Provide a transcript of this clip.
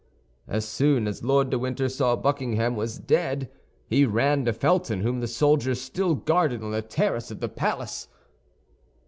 As soon as Lord de Winter saw Buckingham was dead, he ran to Felton, whom the soldiers still guarded on the terrace of the palace.